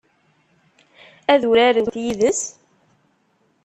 Ad urarent yid-s?